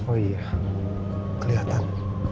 oh iya kelihatan